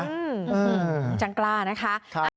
อืมจังกล้านะคะ